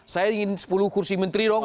saya ingin sepuluh kursi menteri dong